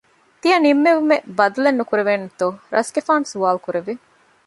ތިޔަ ނިންމެވުމެއް ބަދަލެއް ނުކުރެއްވޭނެތޯ؟ ރަސްގެފާނު ސުވާލުކުރެއްވި